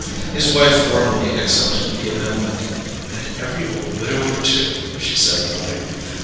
His wife warmly accepted the amendment. "And every old widower, too," she said, nodding.